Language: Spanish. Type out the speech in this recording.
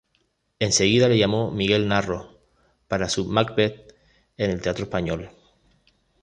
Enseguida le llamó Miguel Narros para su "Macbeth" en el Teatro Español.